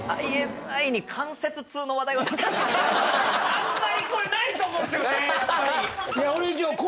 あんまりないと思うんですよね。